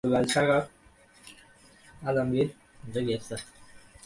তিনি মারুসিয়াকে সফলতার সাথে জার্মান ভাষা হতে নিজের মাতৃভাষায় জাতীয়করণ করেছিলেন।